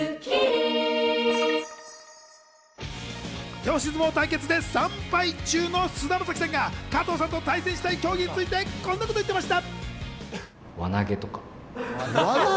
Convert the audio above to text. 手押し相撲対決で３敗中の菅田将暉さんが加藤さんと対戦したい競技について、こんなことを言ってました。